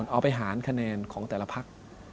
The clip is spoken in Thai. เอาไปหารคะแนนของแต่ละพัก